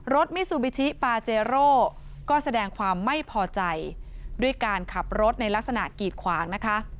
มิซูบิชิปาเจโร่ก็แสดงความไม่พอใจด้วยการขับรถในลักษณะกีดขวางนะคะ